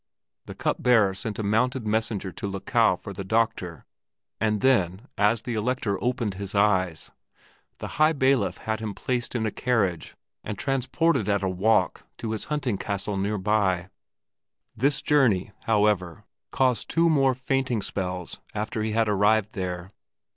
The Cup bearer sent a mounted messenger to Luckau for the doctor, and then, as the Elector opened his eyes, the High Bailiff had him placed in a carriage and transported at a walk to his hunting castle near by; this journey, however, caused two more fainting spells after he had arrived there.